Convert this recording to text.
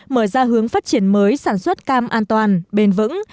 mở ra hướng phát triển mới sản xuất cam an toàn bền vững